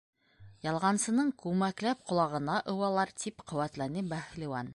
Ялғансының күмәкләп ҡолағын ыуалар, - тип ҡеүәтләне бәһлеүән.